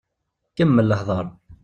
Kemmel hdeṛ.